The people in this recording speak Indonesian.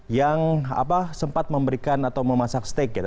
yang sempat memberikan atau memasak steak gitu